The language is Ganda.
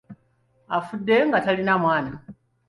Afudde nga talina mwana.